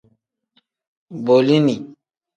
Bolini.